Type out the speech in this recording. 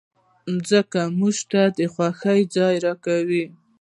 مځکه موږ ته د خوښۍ ځای راکوي.